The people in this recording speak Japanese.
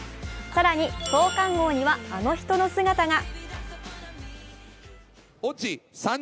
更に、創刊号には、あの人の姿が。